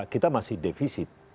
kita masih defisit